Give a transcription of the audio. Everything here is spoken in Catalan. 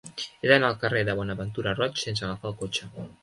He d'anar al carrer de Bonaventura Roig sense agafar el cotxe.